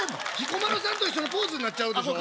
彦摩呂さんと一緒のポーズになっちゃうでしょ